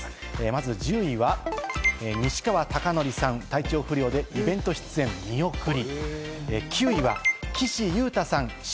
まず１０位は西川貴教さん、体調不良でイベント出演見送り。